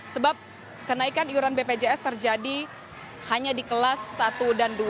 sebab kenaikan iuran bpjs terjadi hanya di kelas satu dan dua